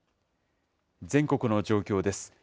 全国の状況です。